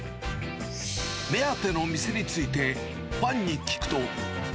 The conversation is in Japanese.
目当ての店について、ファンに聞くと。